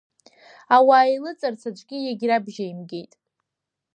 Ауаа еилыҵырц аӡәгьы иагьрабжьаимгеит.